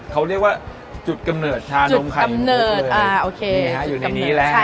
เขาเรียกว่าจุดกำเนิดชานมไข่มุกจุดกำเนิดอยู่ในนี้นะฮะ